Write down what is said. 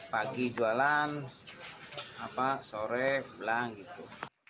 pagi jualan sore bilang gitu